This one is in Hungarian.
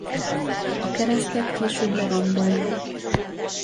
A keresztet később lerombolták.